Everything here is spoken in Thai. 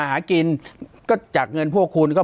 ปากกับภาคภูมิ